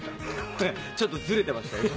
ええちょっとずれてましたよ。